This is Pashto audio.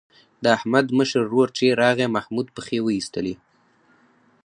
د احمد مشر ورور چې راغی محمود پښې وایستلې.